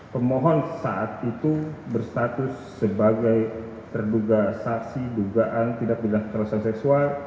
pemohon saat itu berstatus sebagai terduga saksi dugaan tidak berdana kerasa seksual